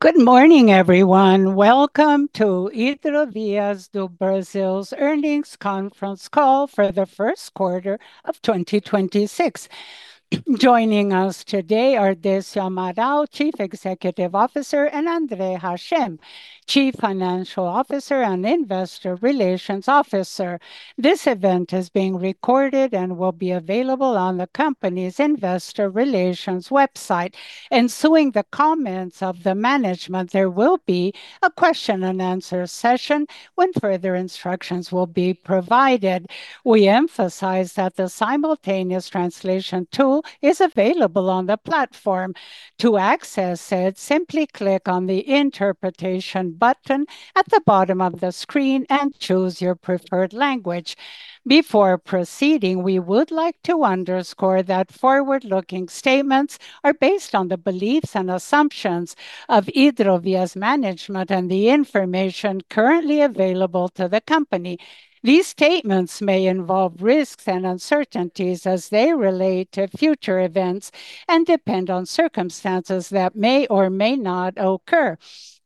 Good morning, everyone. Welcome to Hidrovias do Brasil's earnings conference call for the first quarter of 2026. Joining us today are Decio Amaral, Chief Executive Officer, and Andre Saleme Hachem, Chief Financial Officer and Investor Relations Officer. This event is being recorded and will be available on the company's investor relations website. Ensuing the comments of the management, there will be a question-and-answer session when further instructions will be provided. We emphasize that the simultaneous translation tool is available on the platform. To access it, simply click on the interpretation button at the bottom of the screen and choose your preferred language. Before proceeding, we would like to underscore that forward-looking statements are based on the beliefs and assumptions of Hidrovias' management and the information currently available to the company. These statements may involve risks and uncertainties as they relate to future events and depend on circumstances that may or may not occur.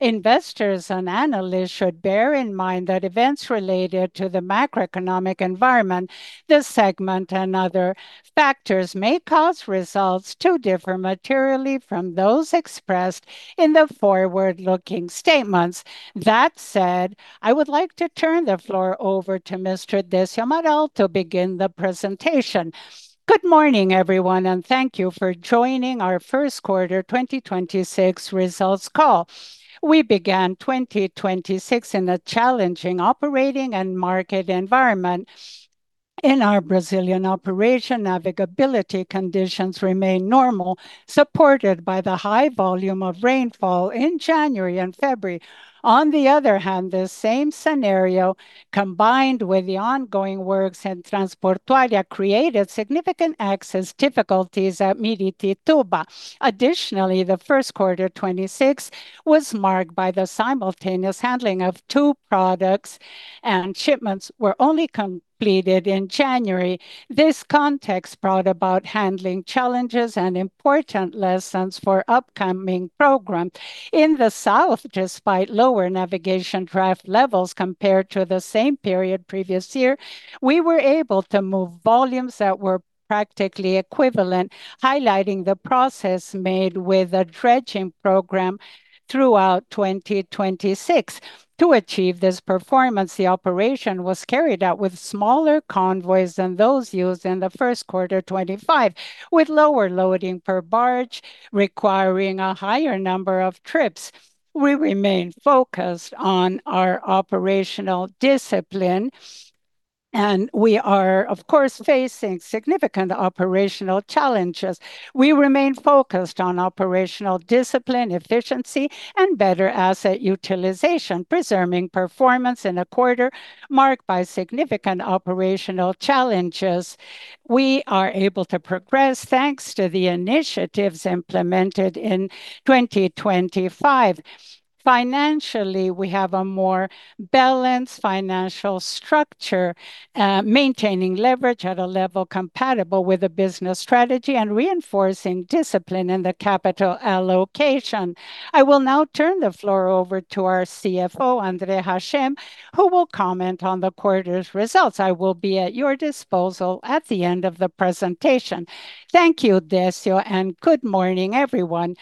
Investors and analysts should bear in mind that events related to the macroeconomic environment, this segment, and other factors may cause results to differ materially from those expressed in the forward-looking statements. That said, I would like to turn the floor over to Mr. Decio Amaral to begin the presentation. Good morning, everyone, and thank you for joining our first quarter 2026 results call. We began 2026 in a challenging operating and market environment. In our Brazilian operation, navigability conditions remain normal, supported by the high volume of rainfall in January and February. On the other hand, the same scenario, combined with the ongoing works in Transamazônica created significant access difficulties at Miritituba. Additionally, the first quarter 2026 was marked by the simultaneous handling of two products and shipments were only completed in January. This context brought about handling challenges and important lessons for upcoming program. In the South, despite lower navigation draft levels compared to the same period previous year, we were able to move volumes that were practically equivalent, highlighting the process made with a dredging program throughout 2026. To achieve this performance, the operation was carried out with smaller convoys than those used in the first quarter 2025, with lower loading per barge requiring a higher number of trips. We remain focused on our operational discipline, and we are, of course, facing significant operational challenges. We remain focused on operational discipline, efficiency, and better asset utilization, preserving performance in a quarter marked by significant operational challenges. We are able to progress thanks to the initiatives implemented in 2025. Financially, we have a more balanced financial structure, maintaining leverage at a level compatible with the business strategy and reinforcing discipline in the capital allocation. I will now turn the floor over to our CFO, Andre Hachem, who will comment on the quarter's results. I will be at your disposal at the end of the presentation. Thank you, Decio, and good morning, everyone.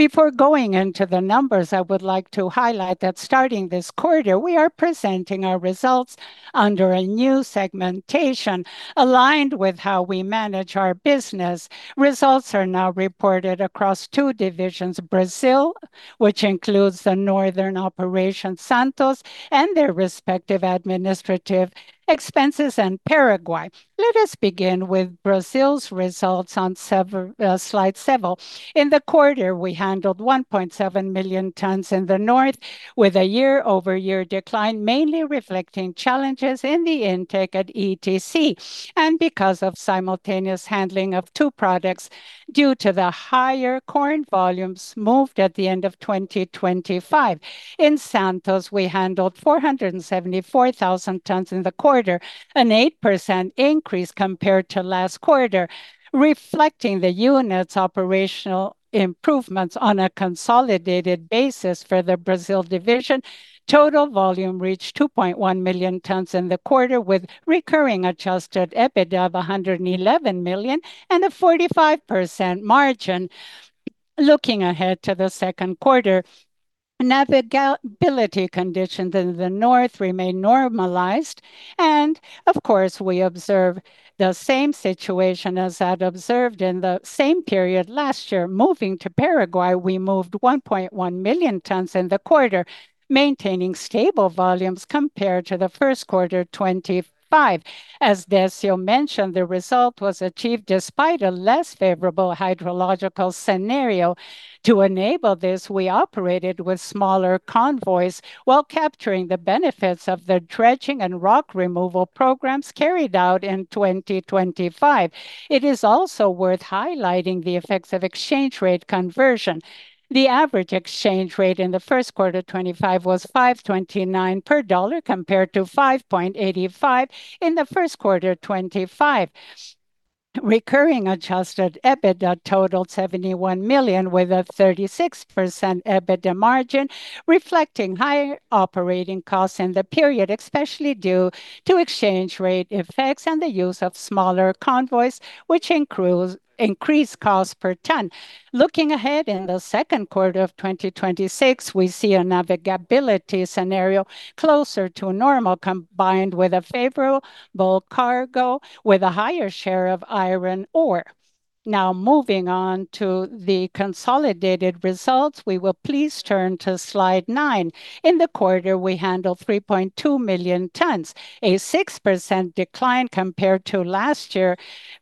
Before going into the numbers, I would like to highlight that starting this quarter, we are presenting our results under a new segmentation aligned with how we manage our business. Results are now reported across two divisions, Brazil, which includes the northern operation, Santos, and their respective administrative expenses, and Paraguay. Let us begin with Brazil's results on slide seven. In the quarter, we handled 1.7 million tons in the north with a year-over-year decline, mainly reflecting challenges in the intake at ETC, and because of simultaneous handling of two products due to the higher corn volumes moved at the end of 2025. In Santos, we handled 474,000 tons in the quarter, an 8% increase compared to last quarter, reflecting the unit's operational improvements on a consolidated basis for the Brazil division. Total volume reached 2.1 million tons in the quarter with recurring adjusted EBITDA of 111 million and a 45% margin. Looking ahead to the second quarter, navigability conditions in the North remain normalized, of course, we observe the same situation as I'd observed in the same period last year. Moving to Paraguay, we moved 1.1 million tons in the quarter, maintaining stable volumes compared to the first quarter 2025. As Decio mentioned, the result was achieved despite a less favorable hydrological scenario. To enable this, we operated with smaller convoys while capturing the benefits of the dredging and rock removal programs carried out in 2025. It is also worth highlighting the effects of exchange rate conversion. The average exchange rate in the first quarter 2025 was $5.29 per dollar compared to $5.85 in the first quarter 2025. Recurring adjusted EBITDA totaled 71 million with a 36% EBITDA margin, reflecting high operating costs in the period, especially due to exchange rate effects and the use of smaller convoys, which increased cost per ton. Looking ahead in the second quarter of 2026, we see a navigability scenario closer to normal, combined with a favorable cargo with a higher share of iron ore. Moving on to the consolidated results, we will please turn to slide nine. In the quarter, we handled 3.2 million tons, a 6% decline compared to last year,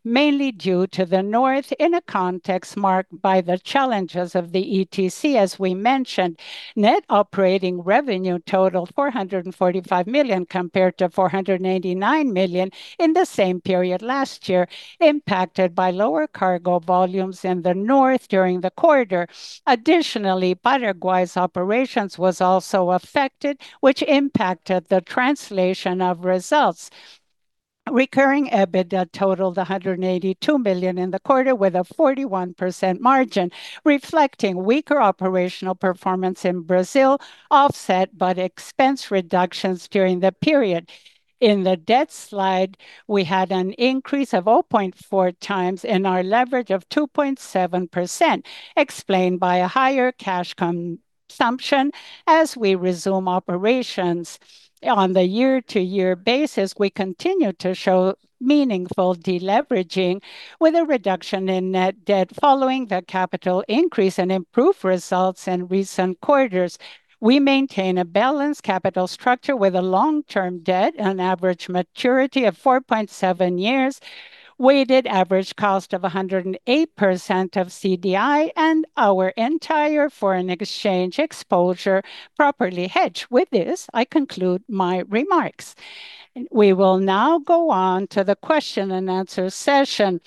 mainly due to the North in a context marked by the challenges of the ETC as we mentioned. Net operating revenue totaled 445 million compared to 489 million in the same period last year, impacted by lower cargo volumes in the North during the quarter. Additionally, Paraguay's operations was also affected, which impacted the translation of results. Recurring EBITDA totaled 182 million in the quarter with a 41% margin, reflecting weaker operational performance in Brazil, offset by the expense reductions during the period. In the debt slide, we had an increase of 0.4x in our leverage of 2.7%, explained by a higher cash consumption as we resume operations. On the year-over-year basis, we continue to show meaningful deleveraging with a reduction in net debt following the capital increase and improved results in recent quarters. We maintain a balanced capital structure with a long-term debt, an average maturity of 4.7 years, weighted average cost of 108% of CDI, and our entire foreign exchange exposure properly hedged. With this, I conclude my remarks. We will now go on to the question-and-answer session.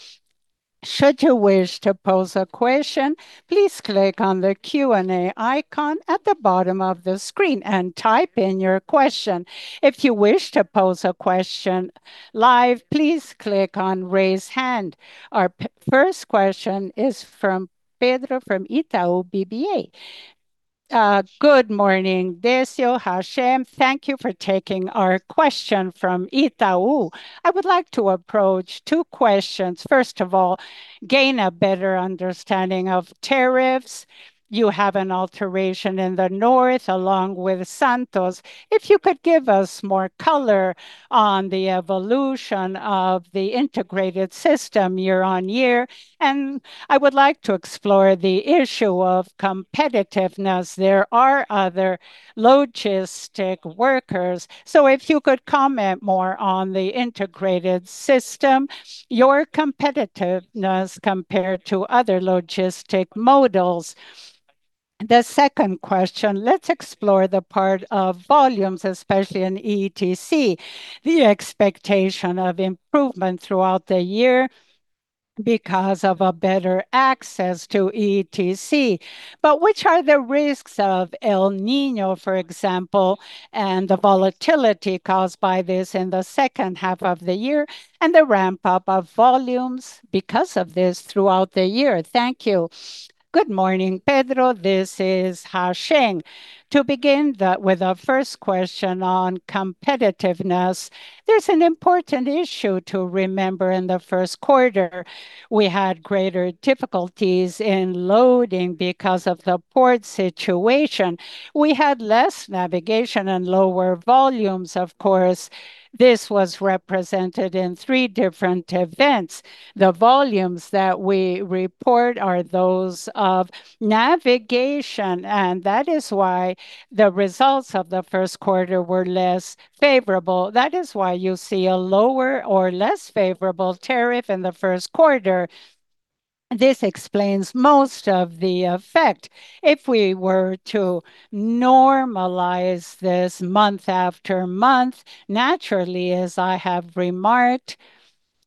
Should you wish to pose a question, please click on the Q&A icon at the bottom of the screen and type in your question. If you wish to pose a question live, please click on Raise Hand. Our first question is from Pedro from Itaú BBA. Good morning, Decio, Hachem. Thank you for taking our question from Itaú. I would like to approach two questions. First of all, gain a better understanding of tariffs. You have an alteration in the north along with Santos. If you could give us more color on the evolution of the integrated system year-on-year. I would like to explore the issue of competitiveness. There are other logistic workers. If you could comment more on the integrated system, your competitiveness compared to other logistics models. The second question, let's explore the part of volumes, especially in ETC. The expectation of improvement throughout the year because of a better access to ETC. Which are the risks of El Niño, for example, and the volatility caused by this in the second half of the year, and the ramp-up of volumes because of this throughout the year? Thank you. Good morning, Pedro. This is Hachem. To begin with the first question on competitiveness, there's an important issue to remember in the first quarter. We had greater difficulties in loading because of the port situation. We had less navigation and lower volumes, of course. This was represented in three different events. The volumes that we report are those of navigation, and that is why the results of the first quarter were less favorable. That is why you see a lower or less favorable tariff in the first quarter. This explains most of the effect. If we were to normalize this month after month, naturally, as I have remarked,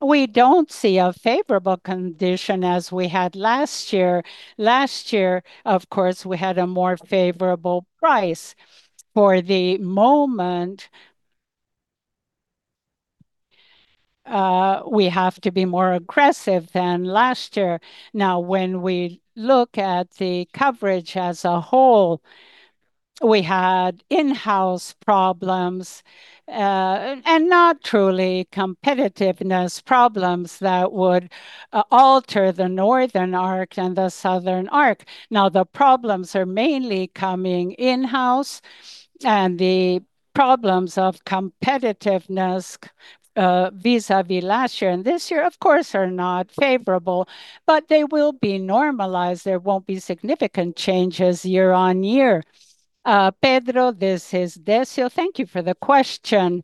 we don't see a favorable condition as we had last year. Last year, of course, we had a more favorable price. The moment, we have to be more aggressive than last year. When we look at the coverage as a whole, we had in-house problems, and not truly competitiveness problems that would alter the northern arch and the southern arch. The problems are mainly coming in-house, and the problems of competitiveness vis-à-vis last year and this year, of course, are not favorable, but they will be normalized. There won't be significant changes year-on-year. Pedro, this is Decio Amaral. Thank you for the question.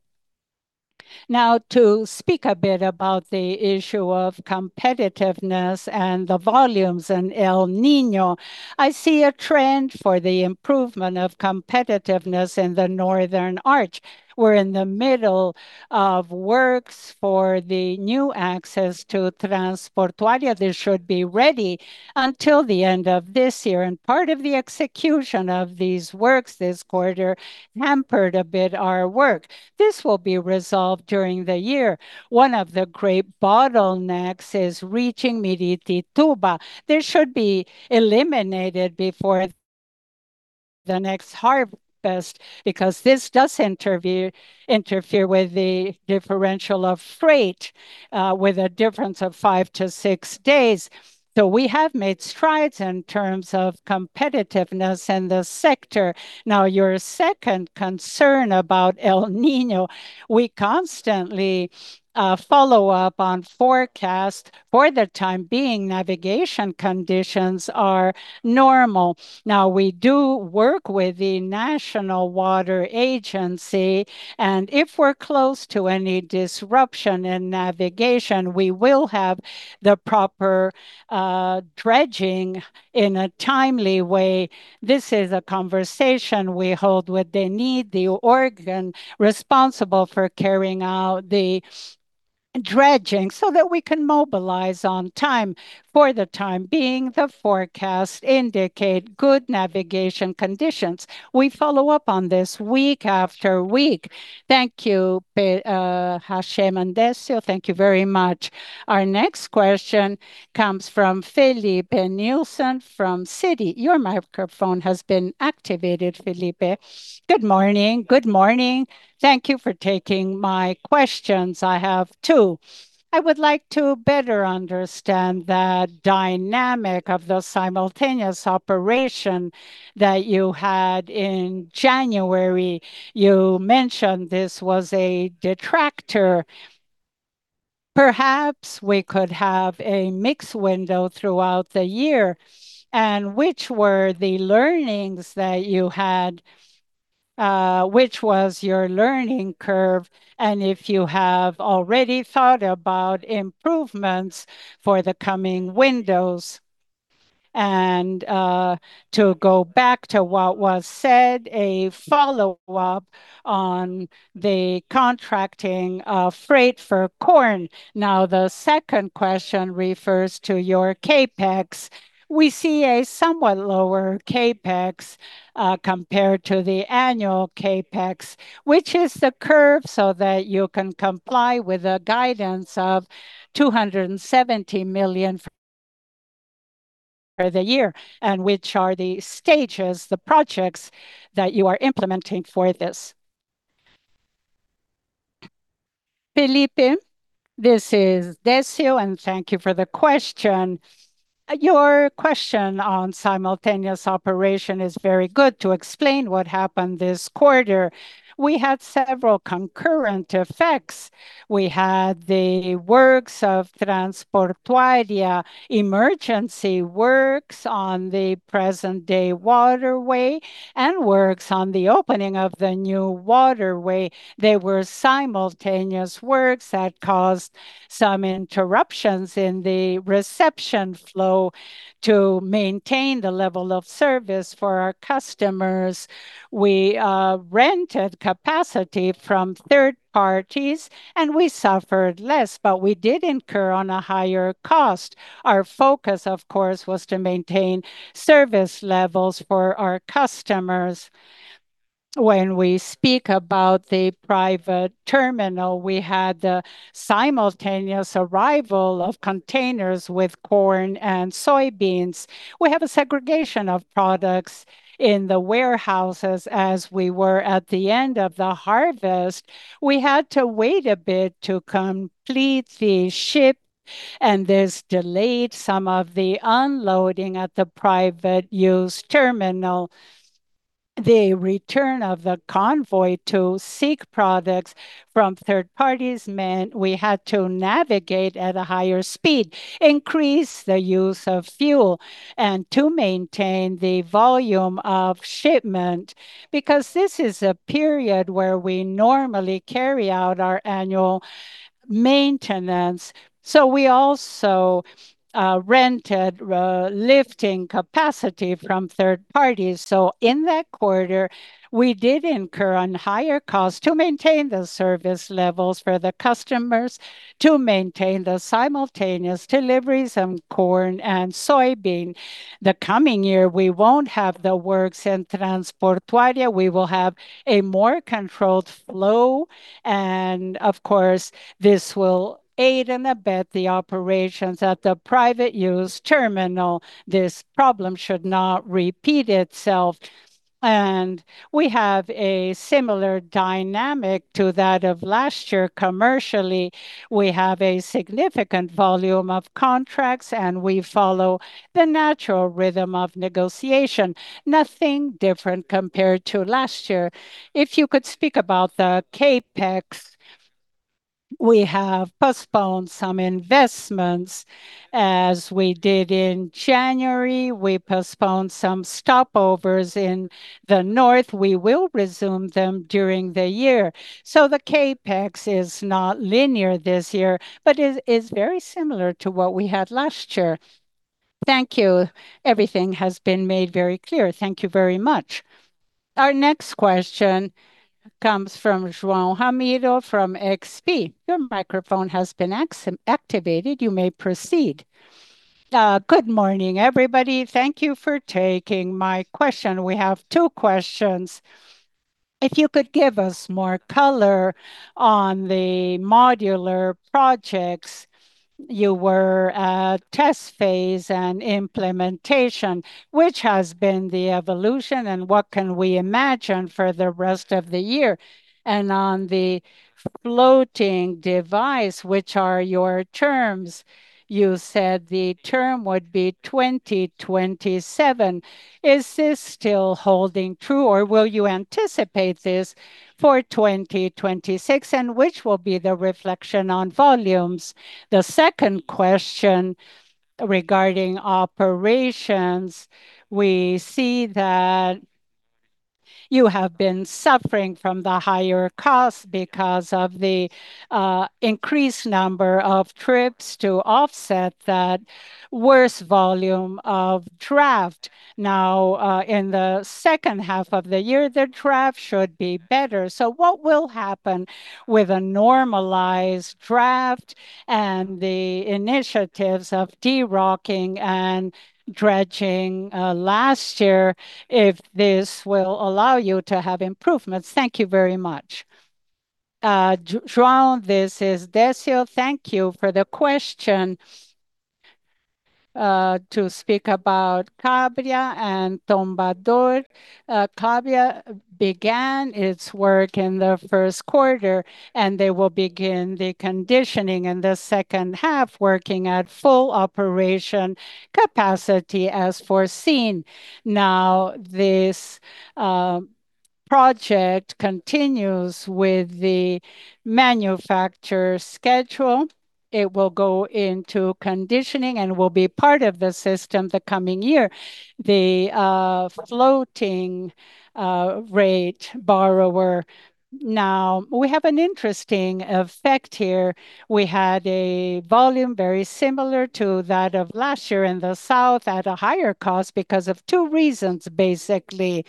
To speak a bit about the issue of competitiveness and the volumes in El Niño, I see a trend for the improvement of competitiveness in the northern arch. We're in the middle of works for the new access to Transamazônica. This should be ready until the end of this year. Part of the execution of these works this quarter hampered a bit our work. This will be resolved during the year. One of the great bottlenecks is reaching Miritituba. This should be eliminated before the next harvest, because this does interfere with the differential of freight, with a difference of five to six days. We have made strides in terms of competitiveness in the sector. Now, your second concern about El Niño, we constantly follow up on forecast. For the time being, navigation conditions are normal. Now, we do work with the National Water Agency, and if we're close to any disruption in navigation, we will have the proper dredging in a timely way. This is a conversation we hold with DNIT, the organ responsible for carrying out the dredging, so that we can mobilize on time. For the time being, the forecast indicate good navigation conditions. We follow up on this week after week. Thank you, Hachem and Decio. Thank you very much. Our next question comes from Filipe Nielsen from Citi. Your microphone has been activated, Filipe. Good morning. Good morning. Thank you for taking my questions. I have two. I would like to better understand the dynamic of the simultaneous operation that you had in January. You mentioned this was a detractor. Perhaps we could have a mixed window throughout the year. Which were the learnings that you had, which was your learning curve, and if you have already thought about improvements for the coming windows? To go back to what was said, a follow-up on the contracting of freight for corn. The second question refers to your CapEx. We see a somewhat lower CapEx compared to the annual CapEx. Which is the curve so that you can comply with the guidance of 270 million for the year, and which are the stages, the projects that you are implementing for this? Filipe, this is Decio, and thank you for the question. Your question on simultaneous operation is very good. To explain what happened this quarter, we had several concurrent effects. We had the works of Transportoaria emergency works on the present-day waterway and works on the opening of the new waterway. They were simultaneous works that caused some interruptions in the reception flow. To maintain the level of service for our customers, we rented capacity from third parties, and we suffered less, but we did incur on a higher cost. Our focus, of course, was to maintain service levels for our customers. When we speak about the private terminal, we had the simultaneous arrival of containers with corn and soybeans. We have a segregation of products in the warehouses as we were at the end of the harvest. We had to wait a bit to complete the ship, and this delayed some of the unloading at the private use terminal. The return of the convoy to seek products from third parties meant we had to navigate at a higher speed, increase the use of fuel, and to maintain the volume of shipment, because this is a period where we normally carry out our annual maintenance. We also rented lifting capacity from third parties. In that quarter, we did incur on higher costs to maintain the service levels for the customers, to maintain the simultaneous deliveries of corn and soybean. The coming year, we won't have the works in Transamazônica. We will have a more controlled flow. Of course, this will aid and abet the operations at the private use terminal. This problem should not repeat itself. We have a similar dynamic to that of last year commercially. We have a significant volume of contracts, and we follow the natural rhythm of negotiation. Nothing different compared to last year. If you could speak about the CapEx, we have postponed some investments. As we did in January, we postponed some stopovers in the north. We will resume them during the year. The CapEx is not linear this year, but is very similar to what we had last year. Thank you. Everything has been made very clear. Thank you very much. Our next question comes from João Ramiro from XP. Your microphone has been activated. You may proceed. Good morning, everybody. Thank you for taking my question. We have two questions. If you could give us more color on the modular projects. You were at test phase and implementation. Which has been the evolution, and what can we imagine for the rest of the year? On the Floating Device, which are your terms, you said the term would be 2027. Is this still holding true, or will you anticipate this for 2026, and which will be the reflection on volumes? The second question regarding operations, we see that you have been suffering from the higher costs because of the increased number of trips to offset that worse volume of draft. In the second half of the year, the draft should be better. What will happen with a normalized draft and the initiatives of derocking and dredging last year, if this will allow you to have improvements? Thank you very much. João, this is Decio Amaral. Thank you for the question. To speak about Cábrea and Tombador. Cábrea began its work in the first quarter, and they will begin the conditioning in the second half, working at full operation capacity as foreseen. This project continues with the manufacturer schedule. It will go into conditioning and will be part of the system the coming year. We have an interesting effect here. We had a volume very similar to that of last year in the south at a higher cost because of two reasons, basically.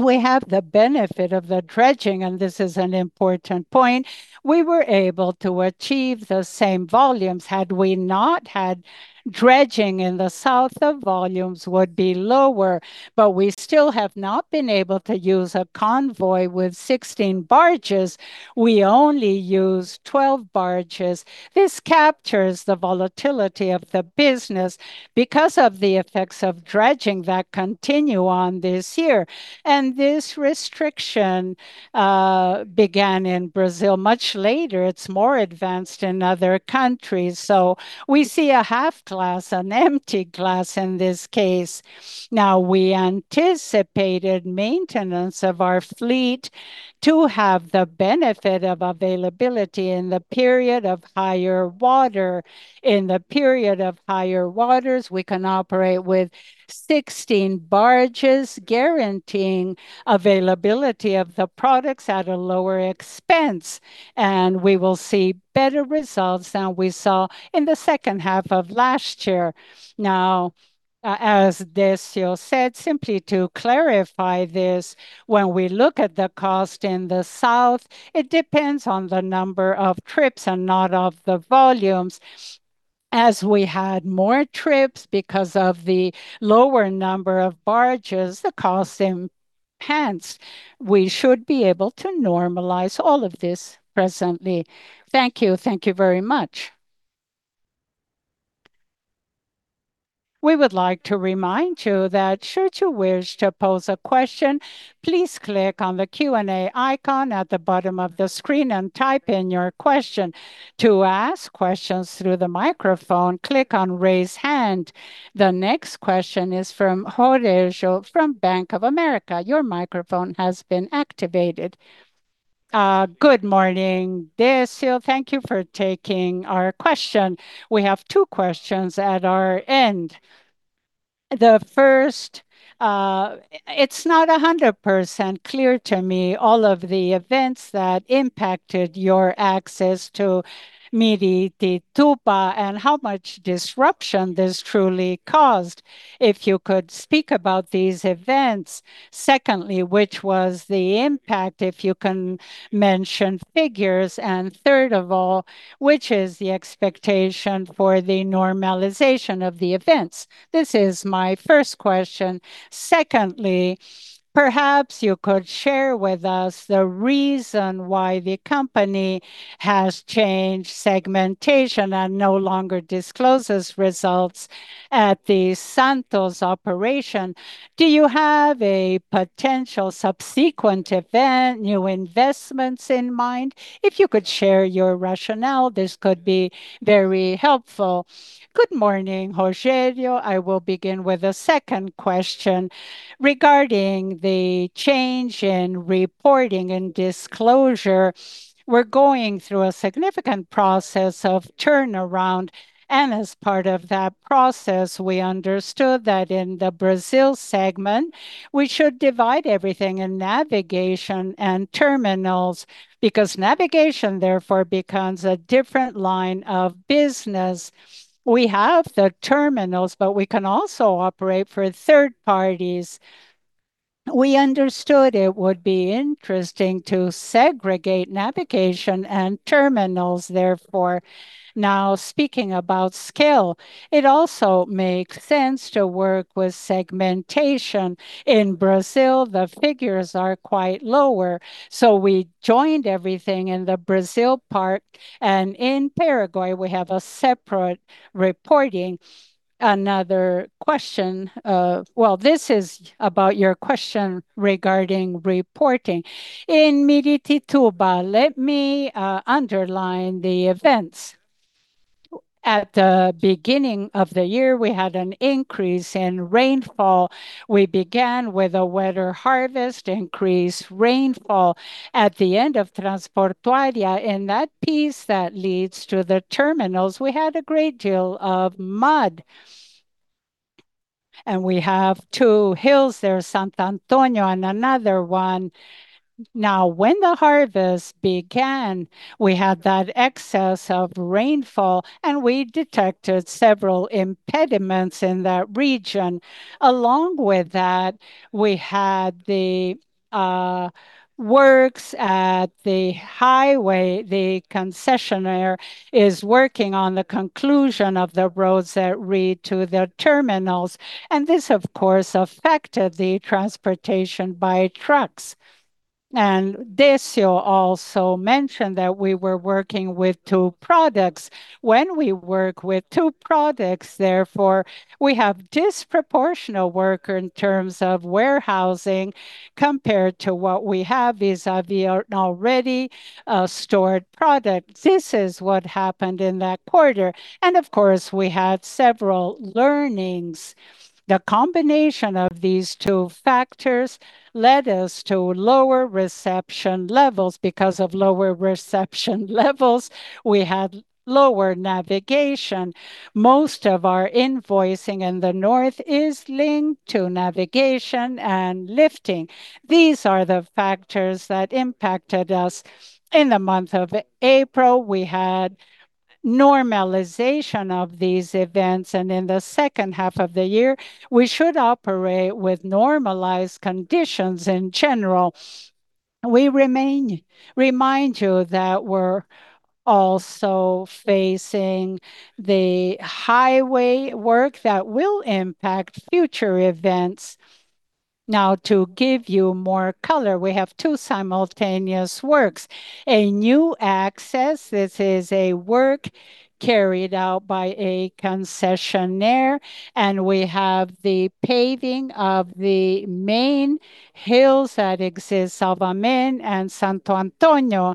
We have the benefit of the dredging, and this is an important point, we were able to achieve the same volumes. Had we not had dredging in the south, the volumes would be lower. We still have not been able to use a convoy with 16 barges. We only use 12 barges. This captures the volatility of the business because of the effects of dredging that continue on this year. This restriction began in Brazil much later. It's more advanced in other countries. We see a half glass, an empty glass in this case. We anticipated maintenance of our fleet to have the benefit of availability in the period of higher water. In the period of higher waters, we can operate with 16 barges, guaranteeing availability of the products at a lower expense, we will see better results than we saw in the second half of last year. As Decio said, simply to clarify this, when we look at the cost in the south, it depends on the number of trips and not of the volumes. We had more trips because of the lower number of barges, the cost enhanced. We should be able to normalize all of this presently. Thank you. Thank you very much. We would like to remind you that should you wish to pose a question, please click on the Q&A icon at the bottom of the screen and type in your question. To ask questions through the microphone, click on Raise Hand. The next question is from Rogério from Bank of America. Your microphone has been activated. Good morning, Decio. Thank you for taking our question. We have two questions at our end. The first, it's not 100% clear to me all of the events that impacted your access to Miritituba and how much disruption this truly caused. If you could speak about these events. Secondly, which was the impact, if you can mention figures. Third of all, which is the expectation for the normalization of the events? This is my first question. Secondly, perhaps you could share with us the reason why the company has changed segmentation and no longer discloses results at the Santos operation. Do you have a potential subsequent event, new investments in mind? If you could share your rationale, this could be very helpful. Good morning, Rogério. I will begin with the second question. Regarding the change in reporting and disclosure, we're going through a significant process of turnaround, and as part of that process, we understood that in the Brazil segment, we should divide everything in navigation and terminals because navigation therefore becomes a different line of business. We have the terminals, but we can also operate for third parties. We understood it would be interesting to segregate navigation and terminals therefore. Now speaking about scale, it also makes sense to work with segmentation. In Brazil, the figures are quite lower, so we joined everything in the Brazil part, and in Paraguay we have a separate reporting. Another question, well, this is about your question regarding reporting. In Miritituba, let me underline the events. At the beginning of the year, we had an increase in rainfall. We began with a wetter harvest, increased rainfall. At the end of Transportoaria, in that piece that leads to the terminals, we had a great deal of mud. We have two hills there, Santo Antonio and another one. When the harvest began, we had that excess of rainfall, and we detected several impediments in that region. Along with that, we had the works at the highway. The concessionaire is working on the conclusion of the roads that lead to the terminals, and this of course affected the transportation by trucks. Decio Amaral also mentioned that we were working with two products. When we work with two products therefore, we have disproportional work in terms of warehousing compared to what we have vis-a-vis our already stored product. This is what happened in that quarter, and of course we had several learnings. The combination of these two factors led us to lower reception levels. Because of lower reception levels, we had lower navigation. Most of our invoicing in the north is linked to navigation and lifting. These are the factors that impacted us. In the month of April, we had normalization of these events, and in the second half of the year we should operate with normalized conditions in general. We remind you that we're also facing the highway work that will impact future events. Now, to give you more color, we have two simultaneous works. A new access, this is a work carried out by a concessionaire, and we have the paving of the main hills that exist, Salvamento and Santo Antonio,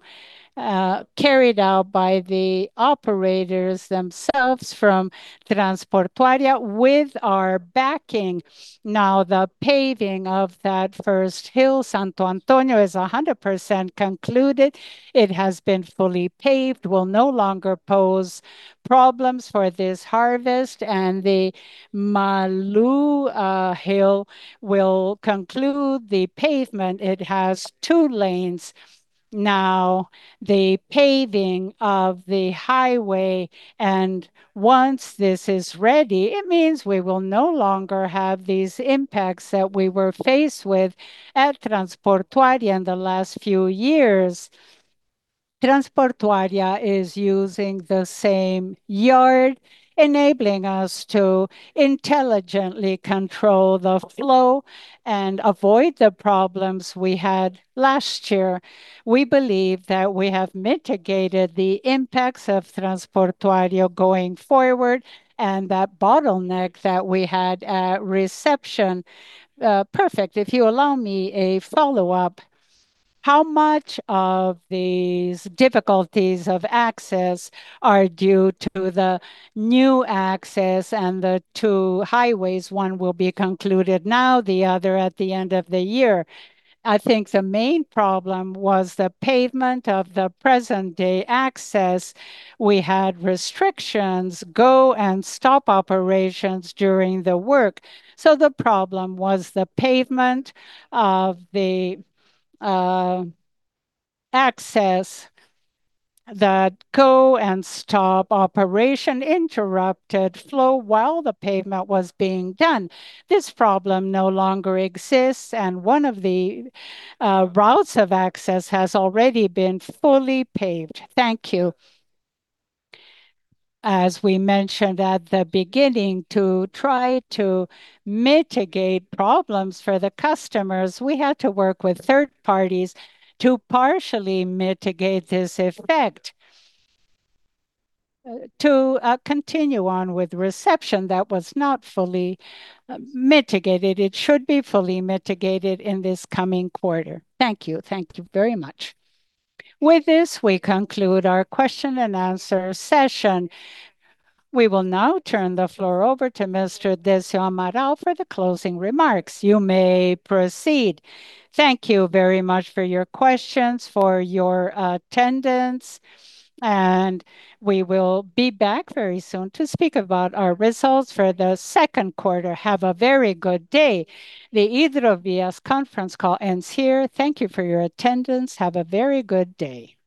carried out by the operators themselves from Transportoaria with our backing. Now, the paving of that first hill, Santo Antonio, is 100% concluded. It has been fully paved, will no longer pose problems for this harvest. The Maluha hill will conclude the pavement. It has two lanes now. The paving of the highway, once this is ready, it means we will no longer have these impacts that we were faced with at Transamazônica in the last few years. Transamazônica is using the same yard, enabling us to intelligently control the flow and avoid the problems we had last year. We believe that we have mitigated the impacts of Transamazônica going forward and that bottleneck that we had at reception. Perfect. If you allow me a follow-up, how much of these difficulties of access are due to the new access and the two highways? One will be concluded now, the other at the end of the year. I think the main problem was the pavement of the present-day access. We had restrictions, go and stop operations during the work. The problem was the pavement of the access. That go and stop operation interrupted flow while the pavement was being done. This problem no longer exists, and one of the routes of access has already been fully paved. Thank you. As we mentioned at the beginning, to try to mitigate problems for the customers, we had to work with third parties to partially mitigate this effect. To continue on with reception that was not fully mitigated, it should be fully mitigated in this coming quarter. Thank you. Thank you very much. With this, we conclude our question and answer session. We will now turn the floor over to Mr. Decio Amaral for the closing remarks. You may proceed. Thank you very much for your questions, for your attendance, and we will be back very soon to speak about our results for the second quarter. Have a very good day. The Hidrovias conference call ends here. Thank you for your attendance. Have a very good day.